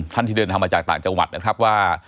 ที่เดินทางมาจากต่างจังหวัดนะครับว่า